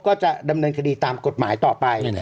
ก็จะดำเนินคดีตามกฎหมายต่อไป